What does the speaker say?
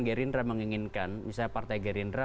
gerindra menginginkan misalnya partai gerindra